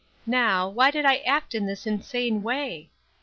Now, why did I act in this insane way?